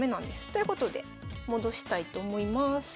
ということで戻したいと思います。